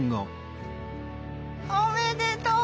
おめでとう！